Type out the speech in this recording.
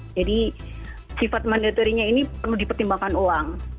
jadi sifat mandatorinya ini perlu dipertimbangkan uang